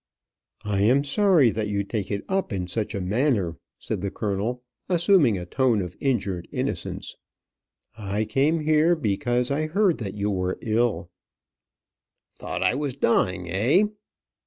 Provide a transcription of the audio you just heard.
"I am sorry that you take it up in such a manner," said the colonel, assuming a tone of injured innocence. "I came here because I heard that you were ill " "Thought I was dying, eh?"